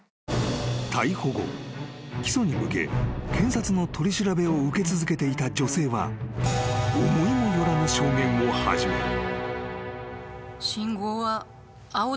［逮捕後起訴に向け検察の取り調べを受け続けていた女性は思いも寄らぬ証言を始める］